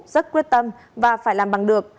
rất quyết tâm và phải làm bằng được